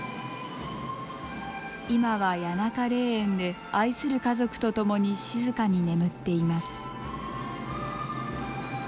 今は谷中霊園で愛する家族と共に静かに眠っています。